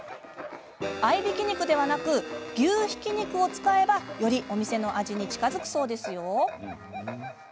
合いびき肉ではなく牛ひき肉を使えばよりお店の味に近づくそうですよ。